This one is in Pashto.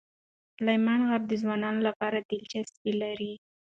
سلیمان غر د ځوانانو لپاره دلچسپي لري.